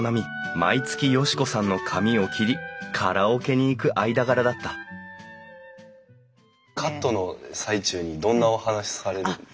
毎月嘉子さんの髪を切りカラオケに行く間柄だったカットの最中にどんなお話されたんですか？